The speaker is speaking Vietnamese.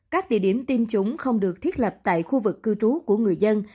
các địa điểm tiêm chủng không được thiết lập tại khu vực cư trú của người dân